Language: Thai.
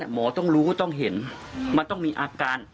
หมอต้องรู้ต้องเห็นมันต้องมีอาการ